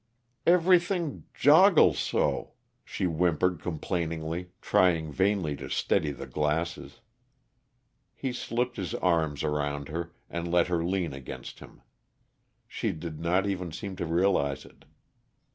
"E everything j joggles so," she whimpered complainingly, trying vainly to steady the glasses. He slipped his arms around her, and let her lean against him; she did not even seem to realize it.